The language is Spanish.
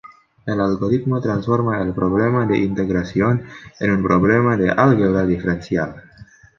El algoritmo transforma el problema de integración en un problema de álgebra diferencial.